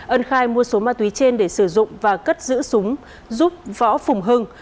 ân khai mua số ma túy trên để sử dụng và cất giữ súng giúp võ phùng hưng